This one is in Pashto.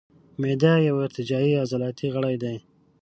معده یو ارتجاعي عضلاتي غړی دی.